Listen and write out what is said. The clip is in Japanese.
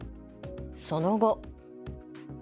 その後。